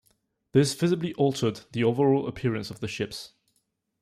This visibly altered the overall appearance of the ships.